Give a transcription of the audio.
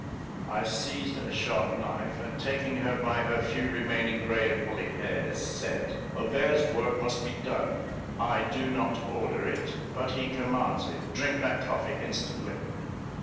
I seized a sharp knife, and taking her by her few remaining grey and woolly hairs, said, "Obeah's work must be done: I do not order it, but he commands it; drink that coffee instantly."